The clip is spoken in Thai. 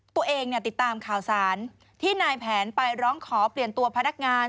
ตัวเองติดตามข่าวสารที่นายแผนไปร้องขอเปลี่ยนตัวพนักงาน